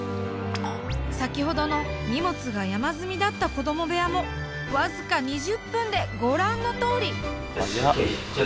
先ほどの荷物が山積みだった子ども部屋も僅か２０分でご覧のとおり！